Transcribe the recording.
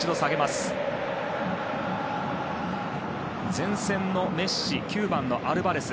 前線のメッシと９番のアルバレス。